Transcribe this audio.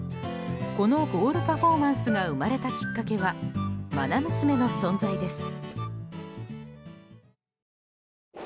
このゴールパフォーマンスが生まれたきっかけは愛娘の存在です。